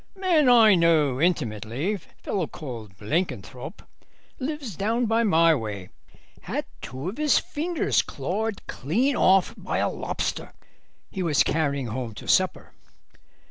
'Man I know intimately, fellow called Blenkinthrope, lives down my way, had two of his fingers clawed clean off by a lobster he was carrying home to supper.